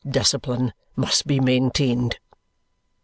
Discipline must be maintained."